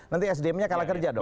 jadi itu sedemnya kalah kerja dong